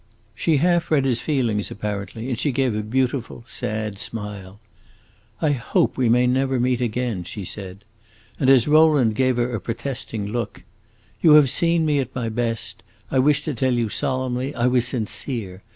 She half read his feelings, apparently, and she gave a beautiful, sad smile. "I hope we may never meet again!" she said. And as Rowland gave her a protesting look "You have seen me at my best. I wish to tell you solemnly, I was sincere!